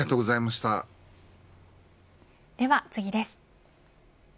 では次です。